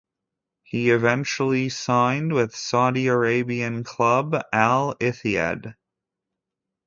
He eventually signed with Saudi Arabian club Al-Ittihad.